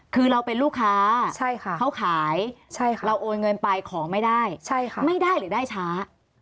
คือเราเป็นลูกค้าเขาขายเราโอนเงินไปของไม่ได้ไม่ได้หรือได้ช้า